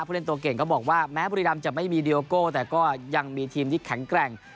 เล่นตัวเก่งก็บอกว่าแม้บุรีรำจะไม่มีดีโอโก้แต่ก็ยังมีทีมที่แข็งแกร่ง